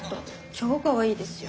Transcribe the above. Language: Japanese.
超かわいいですよ。